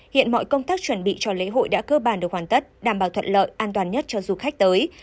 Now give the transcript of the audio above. hiện mọi công tác chuẩn bị cho lễ hội đã cơ bản được hoàn tất đảm bảo thuận lợi an toàn nhất cho du khách tới